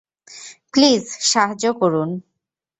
Please, সাহায্য করুন।